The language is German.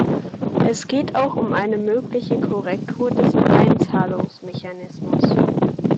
Es geht auch um eine mögliche Korrektur des Einzahlungsmechanismus.